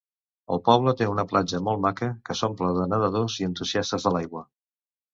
El poble té una platja molt maca que s'omple de nedadors i entusiastes de l'aigua.